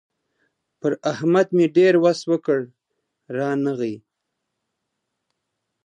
پر احمد مې ډېر وس وکړ؛ رانغی.